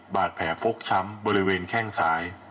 บาดแผลฟกช้ำบริเวณแข้งซ้าย